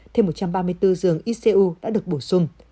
thêm một trăm ba mươi bốn giường icu đã được bổ sung